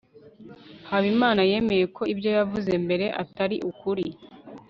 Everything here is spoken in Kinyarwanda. habimana yemeye ko ibyo yavuze mbere atari ukuri